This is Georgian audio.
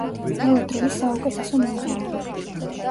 ყველა დროის საუკეთესო მომღერალი!